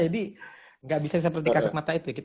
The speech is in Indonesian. jadi nggak bisa seperti kaset mata itu